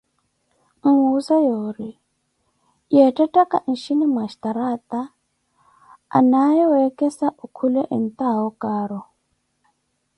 Nwuuze yoori yeettettaka nxini mwa xtaraata anaaye weekhesa okhule entawo kaaru.